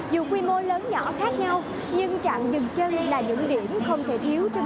dù quy mô lớn nhỏ khác nhau nhưng trạm dường chân là những điểm không thể thiếu trong mỗi hành trình